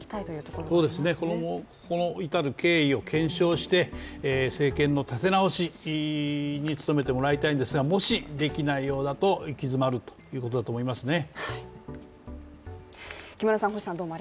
ここに至る経緯を検証して政権の立て直しに努めてもらいたいんですがもしできないようだと、行き詰まるということだと思いますね。